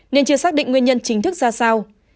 nên chưa xác định nguyên nhân chính thức ra sao